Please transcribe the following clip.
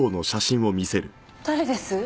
誰です？